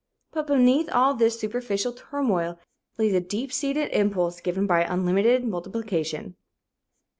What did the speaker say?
But beneath all this superficial turmoil lay the deep seated impulse given by unlimited multiplication."